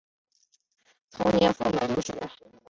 同年赴美留学。